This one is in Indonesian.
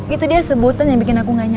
itu dia sebutan yang bikin aku nganyam